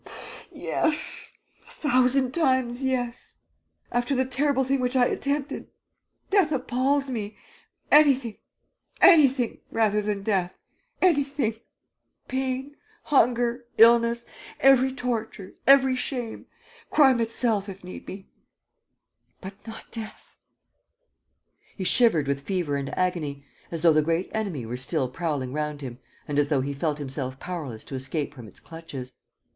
"Yes, a thousand times yes! After the terrible thing which I attempted, death appals me. ... Anything ... anything rather than death! ... Anything! ... Pain ... hunger ... illness ... every torture, every shame ... crime itself, if need be ... but not death!" He shivered with fever and agony, as though the great enemy were still prowling round him and as though he felt himself powerless to escape from its clutches.